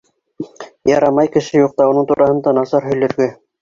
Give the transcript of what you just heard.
Ярамай кеше юҡта уның тураһында насар һөйләргә!